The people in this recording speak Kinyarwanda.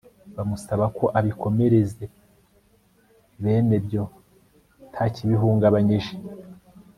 bamusaba ngo abikomereze bene byo nta kibihungabanyije